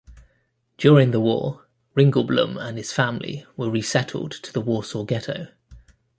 During the war, Ringelblum and his family were resettled to the Warsaw Ghetto.